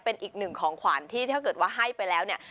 เป็นอีกหนึ่งของขวัญที่ถ้าเกิดว่าให้ไปแล้วเนี่ย